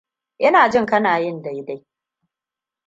Ina jin kana yin daidai.